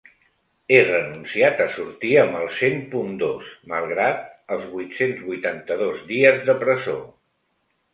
He renunciat a sortir amb el cent punt dos malgrat el vuit-cents vuitanta-dos dies de presó.